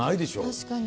確かに。